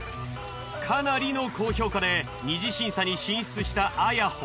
かなりの高評価で二次審査に進出したａｙａｈｏ。